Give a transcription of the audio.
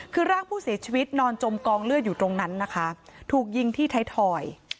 คือร่างผู้เสียชีวิตนอนจมกองเลือดอยู่ตรงนั้นนะคะถูกยิงที่ไทยทอย